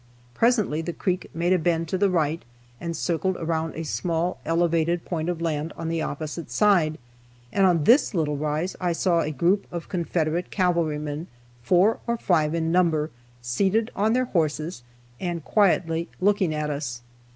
Presently the creek made a bend to the right, and circled around a small elevated point of land on the opposite side, and on this little rise I saw a group of Confederate cavalrymen, four or five in number, seated on their horses, and quietly looking at us.